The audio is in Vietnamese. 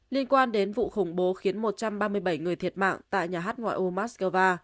liên quan đến vụ khủng bố khiến một trăm ba mươi bảy người thiệt mạng tại nhà hát ngoại ô moscow